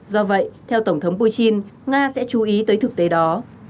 do vậy theo tổng thống putin nga sẽ chú ý tới thực tế đó